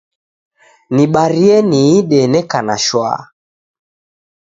Nibarie niide neka na shwaa